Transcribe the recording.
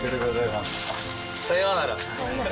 さようなら！